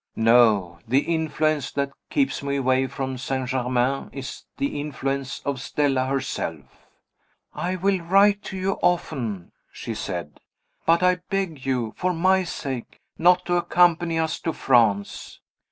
No! the influence that keeps me away from St. Germain is the influence of Stella herself. "I will write to you often," she said; "but I beg you, for my sake, not to accompany us to France."